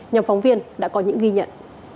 nhàm phóng viên đã có những ghi nhận